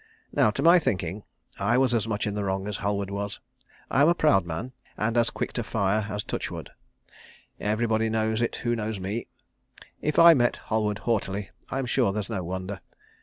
Now, to my thinking, I was as much in the wrong as Halward was. I am a proud man, and as quick to fire as touchwood. Everybody knows it who knows me. If I met Halward haughtily I am sure there's no wonder.